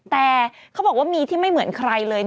แต่เขาบอกว่ามีที่ไม่เหมือนใครเลย